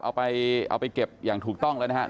เอาไปเก็บอย่างถูกต้องแล้วนะครับ